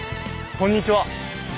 こんにちは。